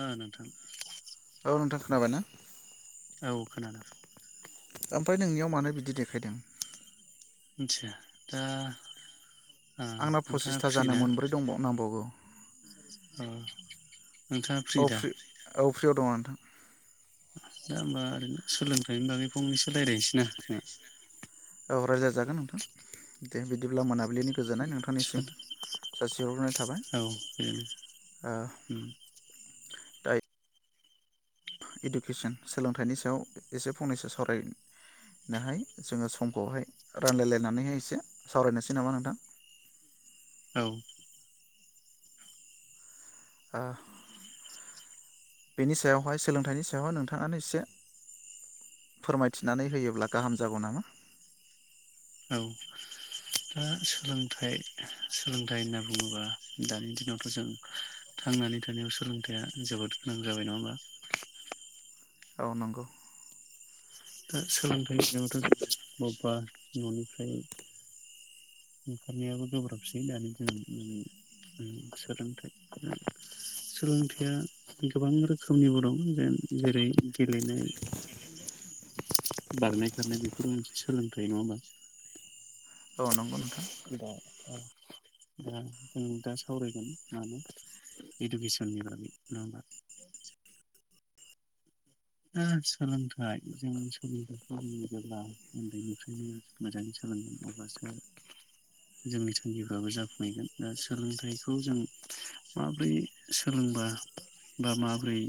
आ नोंथां औ नोंथां खोनाबाय ना औ खोनादों ओमफ्राय नोंनियाव मानो बिदि देखायदों मिथिया दा ओ आंना नोंथाङा फसिसथा फ्रि जानो ना मोनब्रै दंबाव नांबावगौ औ औ फ्रि औ फ्रियाव दङ आं नोंथां दा होमबा ओरैनो सोलोंथाइनि बागै फंनैसो रायज्लायनोसै ना औ रायजा जागोन नोंथां दे बिदिब्ला मोना बुब्लिनि गोजोननाय नोंथांनिसिम जोंहा जासि हरग्रोनाय औ बेनो ओम दा इडुकेसन सोलोंथाइनि सायाव एसे फंनैसो सावरायनो हाय जोङो समखौहाय रानलाय लायनानै हाय एसे सावरायनोसै नामा नोंथां औ ओ बेनि सायावहाय सोलोंथाइनि सायावहाय नोंथाङानो एसे फोरमायथिनानै होयोब्ला गाहाम जागौ नामा औ दा सोलोंथाइ सोलोंथाइ होनना बुङोबा दानि दिनावथ जों थांनानै थानायाव सोलोंथाइया जोबोद गोनां जाबाय नङा होमबा औ नोंगौ दा सोलोंथाइ बिथिंङावथ जों बबेबा ननिफ्राय ओंखारनायाबो गोब्राबसै दानि जों सोलोंथाइ सोलोंथाइया गोबां रोखोमनिबो दं जेन जेरै गेलेनाय बारनाय खारनाय बेफोरबो मोनसे सोलोंथाइ नङा होमबा औ नंगौ नोंथां दा दा जों दा सावरायगोन मानो इडुकेसननि बागै नङा होमबा दा सोलोंथाइ जोंनि सोलोंथाइखौ जोङो जेब्ला उन्दैनिफ्रायनो मोजाङै सोलोंगोन अब्लासो जोंनि थांखिफ्राबो जाफुंहैगोन दा सोलोंथाइखौ जों माबोरै सोलोंबा बा माबोरै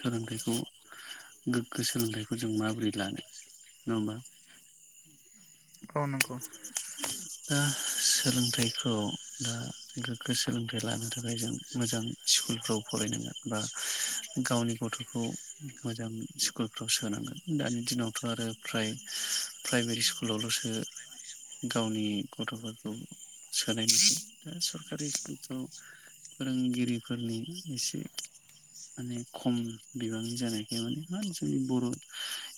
सोलोंथाइखौ गोग्गो सोलोंथाइखौ जों माब्रै लानो नङा होमबा अ नंगौ दा सोलोंथाइखौ दा गोग्गो सोलोंथाइ लानो थाखाय जों मोजां स्कुलफ्राव फरायनांगोन बा गावनि गथखौ मोजां स्कुलफ्राव सोनांगोन दानि दिनावथ आरो फ्राय प्राइभेट स्कुलावलसो गावनि गथफोरखौ सोनायसै दा सरखारि स्कुलफ्राव फोरोंगिरिफोरनि एसे माने खम बिबांनि जानायखाय माने मा जोंनि बर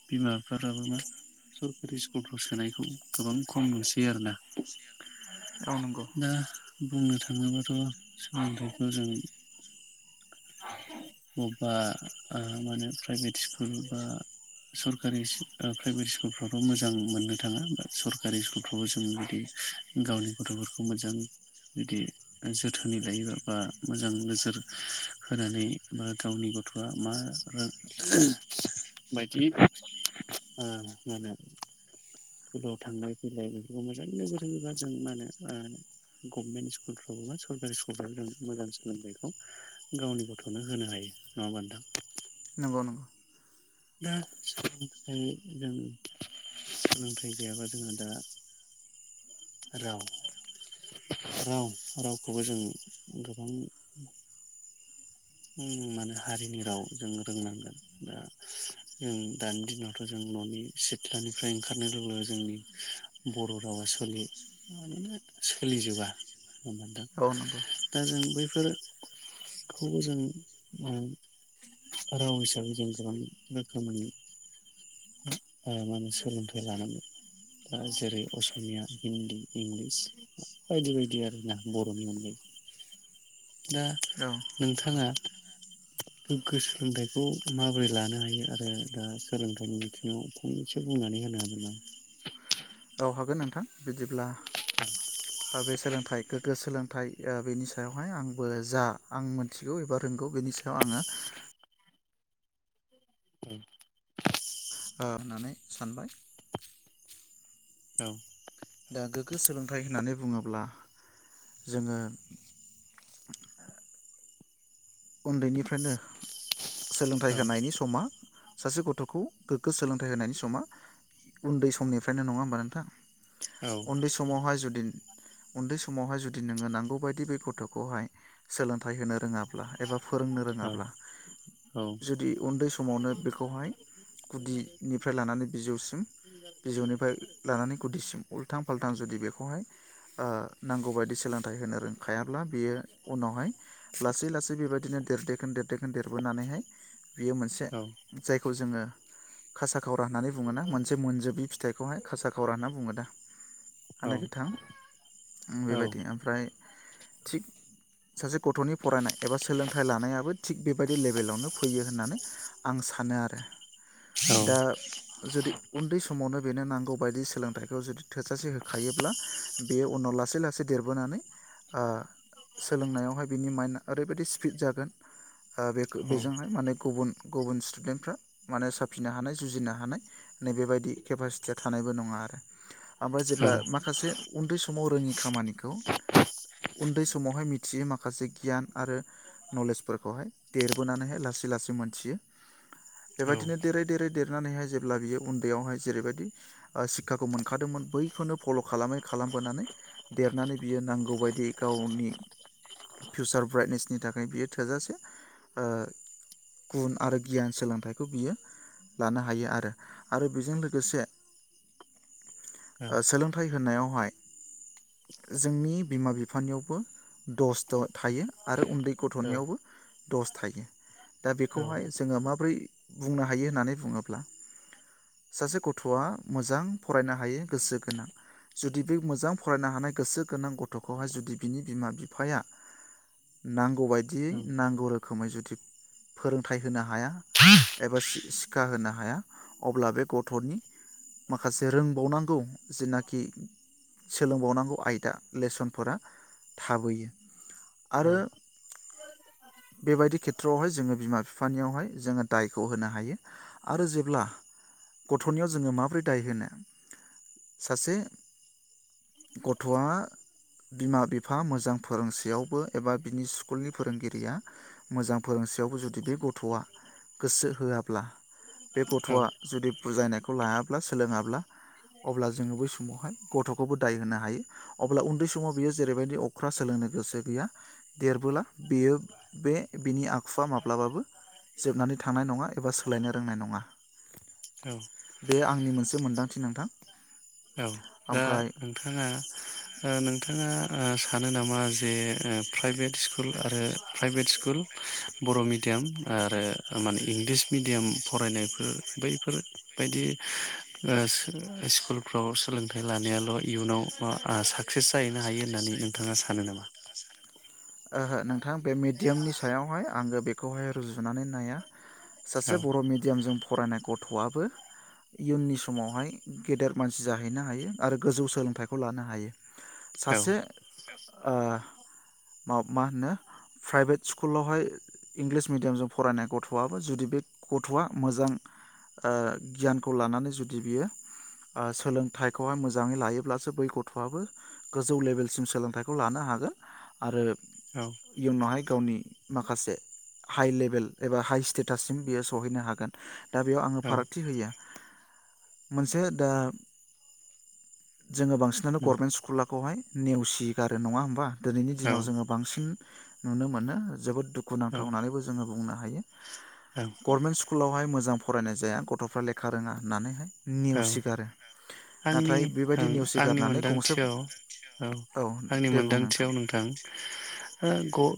बिमा बिफा फ्राबो मा सरखारि स्कुलफ्राव सोनायखौ गोबां खम नुसै बे आरोना औ नंगौ दा बुंनो थाङोबाथ सोलोंथाइखौ जों बबेबा मा ओ होनो प्राइभेट स्कुल बा सरकारि सिक प्राइभेट स्कुलफ्रावथ मोजां मोननो थाङा बा सरकारि स्कुलफ्रावबो जों जुदि गावनि गथफोरखौ मोजां जुदि जोथोनै लायोबा बा मोजां नोजोर होनानै बा गावनि गथआ मा [unintelligible] बायदि मा होनो स्कुलाव थांलाय फैलाय बेफोरखौ मोजां नोजोर होयोबा जों मा होनो ओ गभमेन्ट स्कुलफ्रावबो बा सरकारि स्कुलफ्राव जों मोजां सोलोंथाइखौ गावनि गथनो होनो हायो नङा होनबा नोंथां नंगौ नंगौ [unintelligible] दा सोलोंनो थाखाय जों सोलोंथाइ गैयाबा जोंहा दा राव राव रावखौबो जों गोबां माने हारिनि राव जों रोंनांगोन दा जों दानि दिनावथ जों ननि सिथ्लानिफ्राय ओंखारनाय लोगो लोगो जोंनि बर रावा सोलि माने सोलिजोबा औ नंगौ दा जों बे [unintelligible] [unintelligible] बेखौबो जों राव राव हिसाबै जों गोबां रोखोमनि मा होनो सोलोंथाइ लानानै दा जेरै असमिया हिन्दी इंलिस बायदि बायदि आरोना बरनि अनगायैबो दा औ नोंथाङा गोग्गो सोलोंथाइखौ माबोरै लानो हायो आरो दा सोलोंथाइनि बिथिङाव फंनैसो बुंनानै होनो हागोन ना औ हागोन नोंथां बिदिब्ला ओ बे सोलोंथाइ गोग्गो सोलोंथाइ ओ बेनि सायावहाय आंबो जा आं मोनथिगौ एबा रोंगौ बेनि सायाव आङो ओ होननानै सानबाय औ दा गोग्गो सोलोंथाइ होननानै बुङोब्ला जोङो उन्दैनिफ्रायनो सोलोंथाइ औ होनायनि समा सासे गथ'खौ गोग्गो सोलोंथाइ होनायनि समा उन्दै समनिफ्रायनो नङा होमबा नोंथां औ उन्दै समावहाय जुदि उन्दै समावहाय जुदि नोङो नांगौ बायदि बे गथ'खौहाय सोलोंथाइ होनो रोङाब्लाहाय फोरोंनो रोङाब्ला औ औ जुदि उन्दै समावनो बेखौहाय गुदिनिफ्राय लानानै बिजौसिम बिजौनिफ्राय लानानै गुदिसिम उल्थां फाल्थां जुदि बेखौहाय नांगौबायायदि सोलोंथाइ होनो रोंखायाब्ला बियो उनावहाय लासै लासै थ बेबायदिनो देरदेखोन देरदेखोन देरबोनानैहाय बियो मोनसे औ जायखौ जोङो खासा खावरा होननानै बुङोना मोनसे मोनजोबै फिथाइखौहाय खासा खावरा होनना बुङो दा औ आने गोथां औ औ बेबायदि ओमफ्राय थिग सासे गथ'नि फरायनाय एबा सोलोंथाइ लानायाबो थिग बेबायदि लेबेलावनो फैयो होननानै आं सानो आरो दा औ जुदि उन्दै समावनो बेनो नांगौबायायदि सोलोंथाइखौ जुदि थोजासे होखायोब्ला बेयो उनाव लासै लासै देरबोनानै ओ सोलोंनायावहाय बिनि माइन्ड ओरैबायाददि स्पिड जागोन बेखौ बेजोंहाय माने गुबुन गुबुन स्टुडेन्टफ्रा माने साफिनो हानाय जुजिनो हानाय नैबेबायाददि केपासिटिया थानायबो नङा आरो ओमफ्राय जेब्ला माखासे उन्दै समाव रोङि खामानिखौ उन्दै समावहाय मिथिययो माखासे गियान आरो नलेजफोरखौहाय देरबोनानैहाय लासै लासै मोनथियो बेबायदिनो देरै देरै देरनानैहाय जेब्ला बियो उन्दैयावहाय जेरैबायदि सिक्षाखौ मोनखादोंमोन बैखौनो फल' खालामै खालामबोनानै देरनानै बियो नांगौबायायदि गावनि फिउसार ब्राइटनेसनि थाखाय बियो थोजासे गुन आरो गियान सोलोंथाइखौ बियो लानो हायो आरो आरो बेजों लोगोसे सोलोंथाइ होनायावहाय जोंनि बिमा बिफानियावबो दस द' थायो आरो उन्दै गथ'नियावबो दस थायो दा बेखौहाय जोङो माब्रै बुंनो हायो होननानै बुङोब्ला सासे गथ'आ मोजां फरायनो हायो गोसो गोनां जुदि बे मोजां फरायनो हानाय गोसो गोनां गथ'खौहाय जुदि बिनि बिमा बिफाया नांगौबायायदियै नांगौ रोखोमै जुदि फोरोंथाइ होनो हाया एबा सिखाा होनो हाया अब्ला बे गथ'नि माखासे रोंबावनांगौ जेनाखि सोलोंबावनांगौ आयदा लेसनफोरा थाबोयो आरो औ बेबायदि खेथ्रआवहाय जोङो बिमा बिफानियावहाय जोङो दायखौ होनो हायो आरो जेब्ला गथ'नियाव जोङो माब्रै दाय होनो सासे गथ'आ बिमा बिफा मोजां फोरोंसेयावबो एबा बिनि स्कुलनि फोरोंगिरिया मोजां फोरोंसेयावबो जुदि बे गथ'आ गोसो होआब्ला बे गथ'आ जुदि बुजायनायखौ लायाब्ला सोलोङाब्ला अब्ला जोङो बै समावहाय गथ'खौबो दाय होनो हायो अब्ला उन्दै समाव बियो जेरैबायदि अख्रा सोलोंनो गोसो गैया देरबोला बेयो बे बिनि आखुवा माब्लाबाबो जोबनानै थांनाय नङा एबा सोलायनो रोंनाय नङा औ बे आंनि मोन से मोनदांथि नोंथां। औ दा ओमफ्राय नोंथाङा नोंथाङा ओ सानो नामा जे ओ प्राइभेट स्कुल आरो प्राइभेट स्कुल बर' मिडियाम आरो माने इंलिस मिडियाम फरायनायफोर बैफोरबायदि ओ स्कुल फ्राव सोलोंथाइ लानायाल' इयुनाव ओ साकसेस जाहैनो हायो होननानै नोंथाङा सानो नामा? ओहो नों थां बे मिडियामनि सायावहाय आङो बेखौहाय रुजुनानै नाया। सासे औ बर' मिडियामजों फरायनाय ग थ'आबो इयुननि समावहाय गेदेर मानसि जाहैनो हायो आरो गोजौ सोलोंथाइखौ लानो हायो। औ सासे ओ मा मा होनो प्राइभेट स्कुलावहाय इंलिस मिडियामजों फरायनाय गथ'आबो जुदि बे गथ'आ मोजां ओ गियानखौ लानानै जुदि बियो ओ सोलोंथाइखौहाय मोजाङै लायोब्लासो बै गथ'आबो गोजौ लेभेलसिम सोलोंथाइखौ लानो हागोन। आरो औ इयुनावहाय गावनि माखासे हाइ लेभेल एबा हाइ स्टेटाससिम बियो सहैनो हागोन। दा बेयाव आङो औ फारागथि होयो मोनसे दा जो बांसिनो गभर्मेन स्कुला खौहाय नेवसि गारो नङा होमबा औ दिनाव जोङो बांसिन नुनो मोनो जोबोद औ दुखुुनांथाव होननानैबो जोङो बुंनो हायो औ गभर्नमेन्ट स्कुलावहाय मोजां फरायनाय जाया गथ'फ्रा लेखा रोङा होननानैहाय औ नेवसिगारो आंनि नाथाय बेबायदि ओं आंनि नेवसिगारनानै गंसे मोनदांथियाव औ आंनि मोनदांथियाव नोंथां याव नोंथां ग'ओ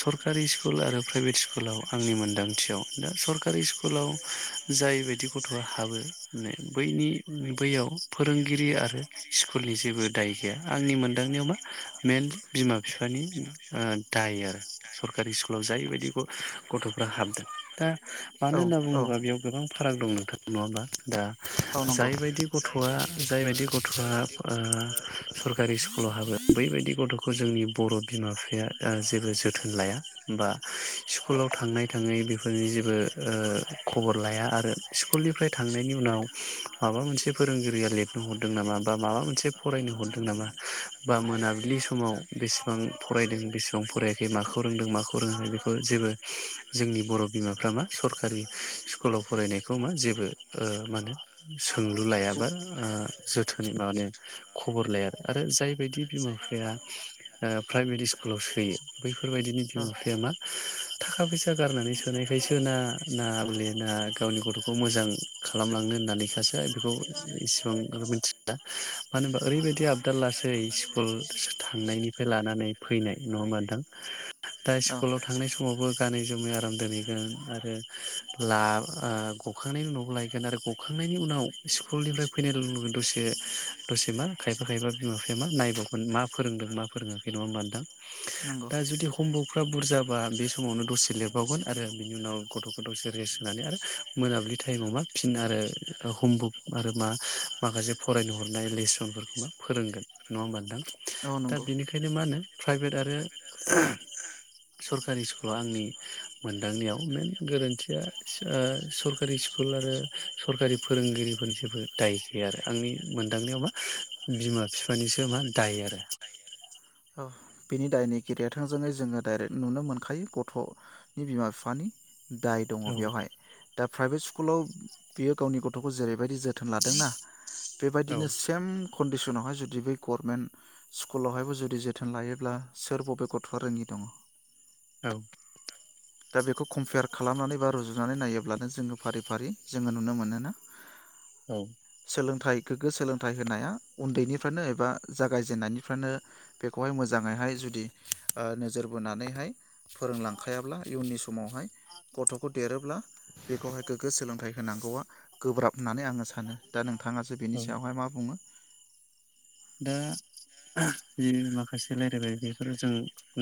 सर कारि स्कुल आरो प्राइभेट स्कुलाव आंनि मोनदांथियाव दा सरकारि स्कुलाव जायबायदि गथ'आ हाबो माने बैनि बैयाव फोरोंगिरि आरो स्कुलनि जेबो दाय गैया। आंनि मोनदांनायाव मा मेइनलि बिमा बिफानि दाय आरो सरकारि स्कुलाव जायबायदि गथ'फ्रा हाबदों दा मानो औ होनना औ बुङोब्ला बेयाव गोबां फाराग दं नों थां नङा होमबा। दा औ नंगौ जायबायदि गथ'आ जायबायदि गथ'आ ओ सरकारि स्कुलाव हाबो बैबायदि गथ'खौ जोंनि बर' बिमा बिफा ओ जेबो जोथोन लाया बा स्कुलाव थांनाय थाङै बेफोरनि जेबो ओ खबर लाया आरो स्कुलनिफ्राय थां थांनायनि उनाव माबा मोनसे फोरोंगिरि रिया लिरनो हरदों नामा बा माबा मोनसे फरायनो हरदों नामा बा मोनाबिलि समाव बेसेबां फरायदों बेसेबां फरायाखै माखौ रोंदों माखौ रोङाखै बेखौ जेबो जोंनि बर' बिमाफ्रा मा सरखारि स्कुलाव फरायनायखौ मा जेबो ओ मा नो सोंलु औ लायाबा जोथोनै माने खबर लाया आरो आरो जायबायदि बिमा बिफाया प्राइबेट स्कुलाव सोयो बैफोरबायदिनि औ बिमा बिफाया मा थाखा फैसा गारनानै सोनायखायसोना नाले ना गावनि गथ'खौ मोजां। खालामलांनो होननानैखासो बेखौ इसिबां मिथिला मानो होनबा ओरैबायदि आपदार लासै स्कुल थांनायनिफ्राय लानानै फैनाय नङा होमबा नोंथां दा स्कुलाव थांनाय समावबो गानै जोमै आराम दोनहैगोन आरो ला ओ गखांनायनि उ न'आव लाय गखांनायनि उनाव स्कुलनिफ्राय फैनाय लगे लगे दसे दसे मा खायफा खायफा बिमा बिफाया मा नायबावगोन मा फोरोंदों मा फोरोङाखै नङा होनबा नोंथां नंगौ दा जुदि हमवारकफ्रा बुरजाबा बे समावनो दसे लिरबावगोन आरो बिनि उनाव गथ'खौ दसे रेस्ट होनानै आरो मोनाबिलि टाइमाव मा फिन आरो हमबुक आरो मा माखासे फरायनो हरनाय लेसनफोरखौ मा फोरोंगोन नङा नङा होमबा नोंथां औ दा नंगौ बेनिखायनो मा होनो प्राइभेट आरो सरखा कारि स्कुलाव आंनि मोनदांनायाव मेन गोरोन्थिया ओ सरकारि स्कुल आरो सरखारि फोरोंगिरिफोरनि जेबो दाय गैया आरो आंनि मोनदांनायाव मा बिमा बिफानिसो मा ह दायो आरो बिनि दायनिगिरिया थोंजोंङै जोङो दाइरेक्ट नुनो मोनखायो गथ'नि बिमा बिफानि। दाय दङ औ बेवहाय दा प्राइभेट स्कुलाव बियो गावनि गथ'खौ जेरैबायदि जोथोन थोन लादोंना औ बेबायदिनो सेम कन्डिसनाव जुदि बै गभर्नमेन्ट स्कुलावहायबो जुदि जुदि जोथोन लायोब्ला सोर बबे गथ'आ रोङि दङ औ दा बेखौ कम्पेयार खालामनानै बा रुजुनानै नायोब्लानो जोङो फारि फारि जोङो नुनो मोनोना? औ सोलोंथाइ गोग्गो सोलोंथाइ होनाया उन्दैनिफ्रायनो एबा जागायजेननायनिफ्रानो बेखौहाय मोजाङैहाय जुदि ओ नोजोर बोनानैहाय फोरोंलांखायाब्ला इयुननि समावहाय गथ'खौ देरोब्ला बेखौहाय गोग्गो सोलोंथाइ होनांगौआ गोब्राब होननानै आङो सानो दा नोंथाङासो बेनि औ सायावहाय मा बुङो? दा जि माखासे रायलायबाय बेफोरो जों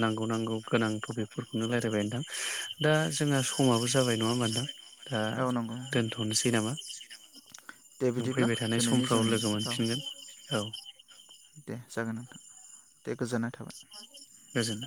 नांगौ नांगौ गोनां टपिकफोरखौनो रायलायबाय दा जोंहा समाबो जाबाय नङा होमबा नोंथां दा औ नंगौ नोंथां। दोनथ'नोसै नामा दे नों बिदिब्ला फैबाय थानाय दिनैनि समफ्राव जोंनि लोगो औ मोनफिनगोन औ। दे जागोन नोंथां दे गोजोननाय थाबाय। गोजोन